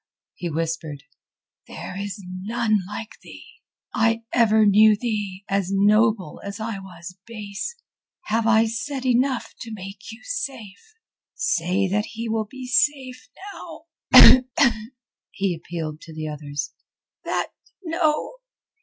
he whispered. "There is none like thee! I ever knew thee as noble as I was base. Have I said enough to make you safe? Say that he will be safe now," he appealed to the others, "that no...."